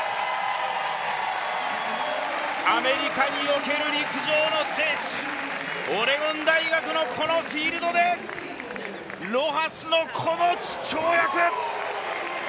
アメリカにおける陸上の聖地、オレゴン大学のこのフィールドでロハスのこの跳躍。